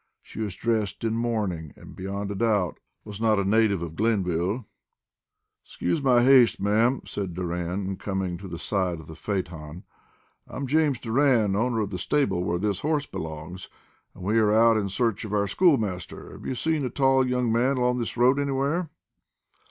She was dressed in mourning, and, beyond a doubt, was not a native of Glenville. "Excuse my haste, ma'am," said Doran, coming to the side of the phaeton. "I'm James Doran, owner of the stable where this horse belongs, and we are out in search of our schoolmaster. Have you seen a tall young man along this road anywhere?"